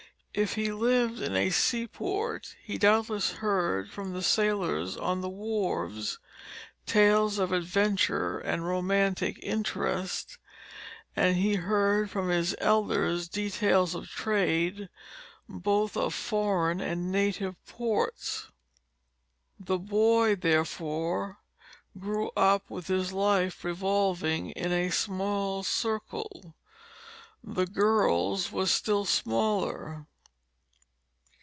If he lived in a seaport, he doubtless heard from the sailors on the wharves tales of adventure and romantic interest, and he heard from his elders details of trade, both of foreign and native ports. The boy, therefore, grew up with his life revolving in a small circle; the girl's was still smaller.